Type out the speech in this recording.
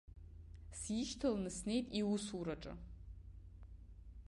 Сишьҭаланы снеит иусураҿы.